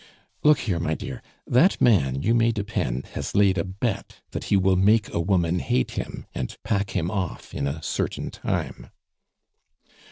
"Look here, my dear; that man, you may depend, has laid a bet that he will make a woman hate him and pack him off in a certain time."